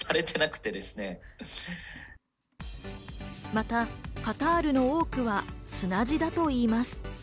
またカタールの多くは砂地だといいます。